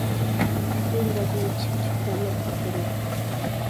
پۈتۈن بەدىنىم چىپ-چىپ تەرلەپ كەتكەن ئىدى.